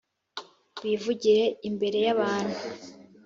Bivugire imbere y’abantu